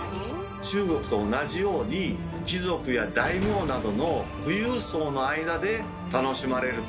中国と同じように貴族や大名などの富裕層の間で楽しまれる程度だったと。